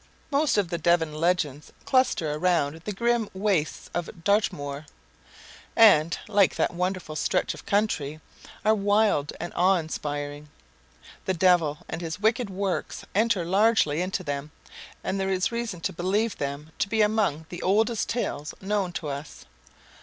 Most of the Devon legends cluster around the grim wastes of Dartmoor, and, like that wonderful stretch of country, are wild and awe inspiring. The devil and his wicked works enter largely into them, and there is reason to believe them to be among the oldest tales known to us.